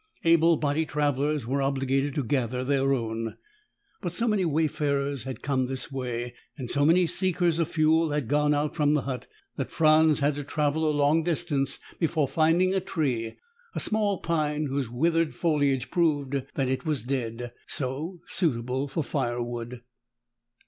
Able bodied travelers were obligated to gather their own. But so many wayfarers had come this way, and so many seekers of fuel had gone out from the hut, that Franz had to travel a long distance before finding a tree, a small pine whose withered foliage proved that it was dead, so suitable for firewood.